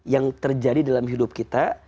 yang terjadi dalam hidup kita